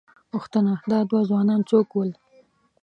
_پوښتنه، دا دوه ځوانان څوک ول؟